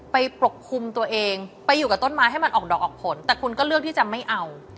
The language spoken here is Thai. ปกคลุมตัวเองไปอยู่กับต้นไม้ให้มันออกดอกออกผลแต่คุณก็เลือกที่จะไม่เอา